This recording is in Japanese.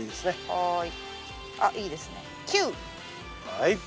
はい。